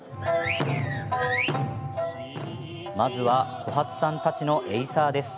まずは小波津さんたちのエイサーです。